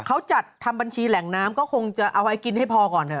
เขาจัดทำบัญชีแหล่งน้ำก็คงจะเอาให้กินให้พอก่อนเถ